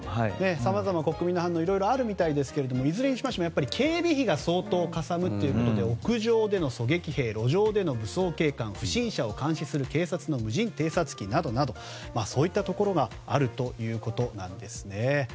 さまざま国民の反応あるみたいですがいずれにしましても警備費が相当かさむということで屋上での狙撃兵路上での武装警官不審者を監視する警察の無人偵察機などなどそういったところがあるということなんですね。